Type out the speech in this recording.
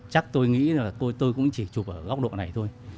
chắc tôi nghĩ là tôi tôi cũng chỉ chụp ở góc độ này thôi